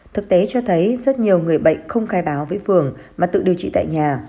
thực tế cho thấy rất nhiều người bệnh không khai báo với phường mà tự điều trị tại nhà